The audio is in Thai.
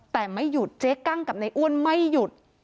แต่ไม่หยุดเจ๊กั้งกับนายอ้วนไม่หยุด